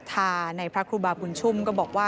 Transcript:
ยึดมั่นในหลักธรรมที่พระครูบาบุญชุมท่านได้สอนเอาไว้ค่ะ